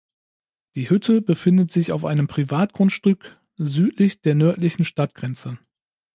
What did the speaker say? Die Hütte befindet sich auf einem Privatgrundstück südlich der nördlichen Stadtgrenze.